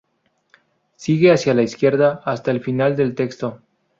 Sigue hacia la izquierda hasta el final del texto.